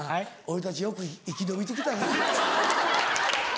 俺たちよく生き延びて来たな。